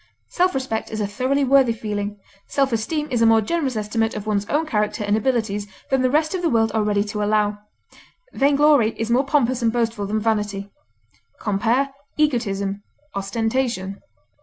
Self respect is a thoroughly worthy feeling; self esteem is a more generous estimate of one's own character and abilities than the rest of the world are ready to allow. Vainglory is more pompous and boastful than vanity. Compare EGOTISM; OSTENTATION.